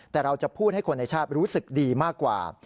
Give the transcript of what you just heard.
แต่เราจะพูดให้คนในชาติรู้สึกดีมากกว่า